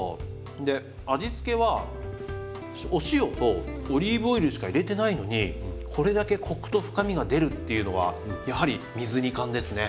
で味付けはお塩とオリーブオイルしか入れてないのにこれだけコクと深みが出るっていうのはやはり水煮缶ですね。